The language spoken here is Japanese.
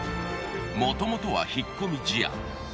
もともとは引っ込み思案。